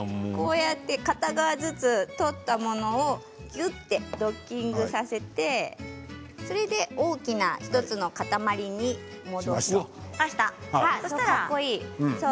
片側ずつ取ったものをぎゅっとドッキングさせてそれで大きな１つの塊にします。